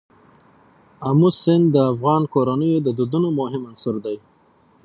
آمو سیند د افغان کورنیو د دودونو مهم عنصر دی.